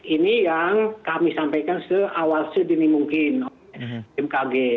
ini yang kami sampaikan seawal sedini mungkin oleh bmkg